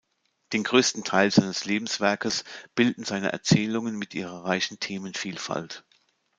Den größten Teil seines Lebenswerkes bilden seine Erzählungen mit ihrer reichen Themenvielfalt.